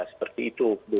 seperti itu bu